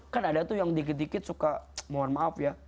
kan ada tuh yang dikit dikit suka mohon maaf ya